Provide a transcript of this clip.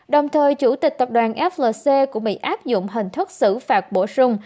đồng thời chủ tịch tập đoàn flc cũng bị áp dụng hình thức xử phạt bổ sung